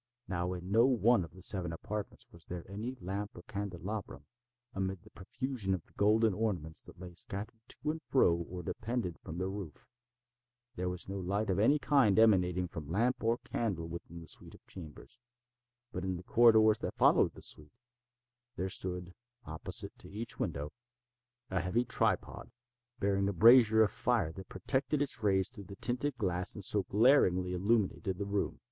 Now in no one of the seven apartments was there any lamp or candelabrum, amid the profusion of golden ornaments that lay scattered to and fro or depended from the roof. There was no light of any kind emanating from lamp or candle within the suite of chambers. But in the corridors that followed the suite, there stood, opposite to each window, a heavy tripod, bearing a brazier of fire that projected its rays through the tinted glass and so glaringly illumined the room.